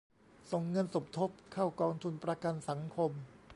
ส่งเงินสมทบเข้ากองทุนประกันสังคม